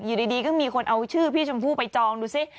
อยู่ดีก็มีคนเอาชื่อพี่ชมพู่ไปจองดูสิ